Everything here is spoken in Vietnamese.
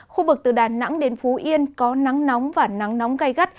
khu vực từ đà nẵng đến phú yên có nắng nóng và nắng nóng gai gắt